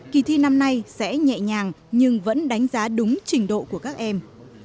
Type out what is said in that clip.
kỳ thi năm nay sẽ nhẹ nhàng nhưng vẫn đánh giá đúng trình độ của các em